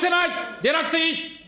出なくていい。